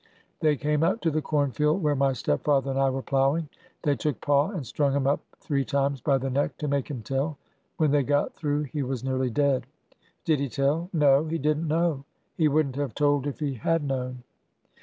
They came out to the corn field where my stepfather and I were plowing. They took pa and strung him up three times by the neck to make him tell. When they got through he was nearly dead." " Did he tell?" No. He did n't know. He would n't have told if he had known."